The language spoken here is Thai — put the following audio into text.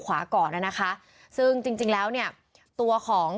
มีคนเสียชีวิตคุณ